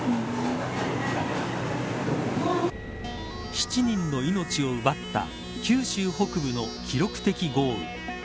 ７人の命を奪った九州北部の記録的豪雨。